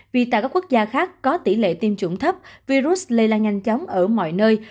vì tại các quốc gia khác có tỷ lệ tiêm chủng thấp virus lây lan nhanh chóng ở mọi nơi